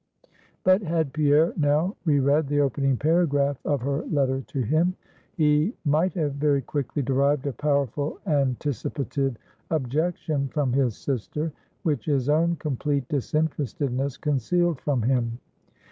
But had Pierre now reread the opening paragraph of her letter to him, he might have very quickly derived a powerful anticipative objection from his sister, which his own complete disinterestedness concealed from him.